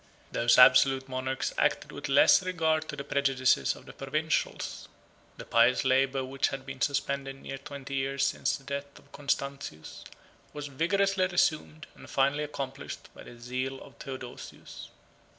Those absolute monarchs acted with less regard to the prejudices of the provincials. The pious labor which had been suspended near twenty years since the death of Constantius, 24 was vigorously resumed, and finally accomplished, by the zeal of Theodosius.